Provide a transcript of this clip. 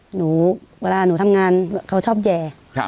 เวลาหนูทำงานเขาชอบแย่